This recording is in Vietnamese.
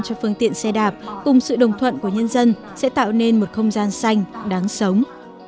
cho phương tiện xe đạp cùng sự đồng thuận của nhân dân sẽ tạo nên một không gian xanh đáng sống